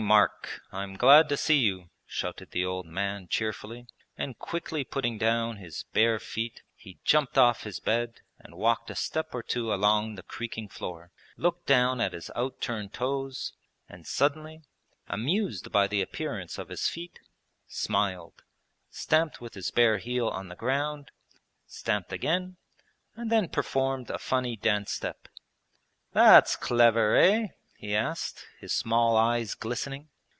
Mark! I am glad to see you,' shouted the old man cheerfully, and quickly putting down his bare feet he jumped off his bed and walked a step or two along the creaking floor, looked down at his out turned toes, and suddenly, amused by the appearance of his feet, smiled, stamped with his bare heel on the ground, stamped again, and then performed a funny dance step. 'That's clever, eh?' he asked, his small eyes glistening.